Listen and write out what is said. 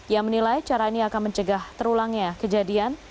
ia menilai cara ini akan mencegah terulangnya kejadian